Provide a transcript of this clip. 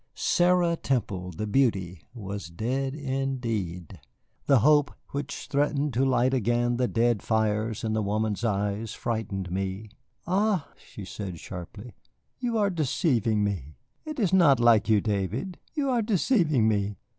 Sarah Temple, the beauty, was dead indeed. The hope which threatened to light again the dead fires in the woman's eyes frightened me. "Ah," she said sharply, "you are deceiving me. It is not like you, David. You are deceiving me.